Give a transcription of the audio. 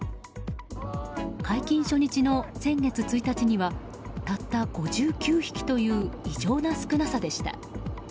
解禁初日の先月１日にはたった５９匹という異常な少なさでした。